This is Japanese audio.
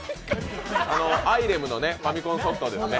アイレムのファミコンソフトですね。